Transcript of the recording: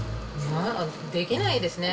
できないですね。